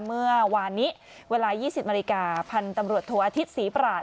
เมื่อวานิเวลา๒๐มริกาพันธุ์ตำรวจโทรอาทิตย์ศรีประหลาด